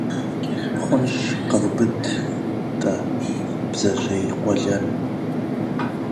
– Хъунщ. Къэвубыд-тӀэ бдзэжьей къуэлэн.